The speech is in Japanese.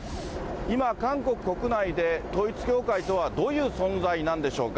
今、韓国国内で統一教会とはどういう存在なんでしょうか。